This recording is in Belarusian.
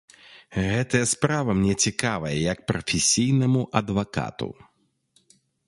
Гэтая справа мне цікавая, як прафесійнаму адвакату.